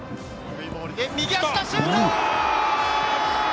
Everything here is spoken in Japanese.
右足のシュート！